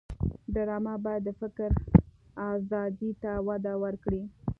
ډرامه باید د فکر آزادۍ ته وده ورکړي